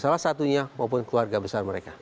salah satunya maupun keluarga besar mereka